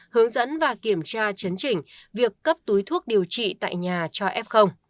hướng dẫn và kiểm tra chấn chỉnh việc cấp túi thuốc điều trị tại nhà cho f